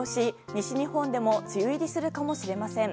西日本でも梅雨入りするかもしれません。